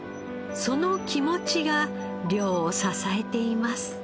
その気持ちが漁を支えています。